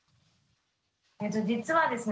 実はですね